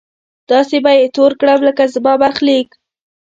داسې به يې تور کړم لکه زما برخليک